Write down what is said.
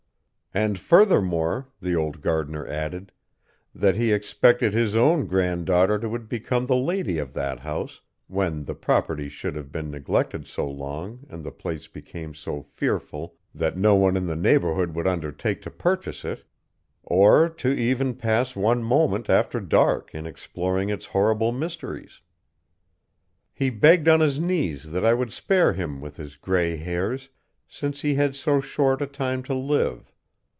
And furthermore, the old gardener added, that he expected his own grand daughter would become the lady of that house, when the property should have been neglected so long and the place became so fearful that no one in the neighborhood would undertake to purchase it, or to even pass one moment after dark in exploring its horrible mysteries. "He begged on his knees that I would spare him with his gray hairs, since he had so short a time to live.